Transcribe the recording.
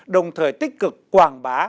đồng thời tích cực quảng bá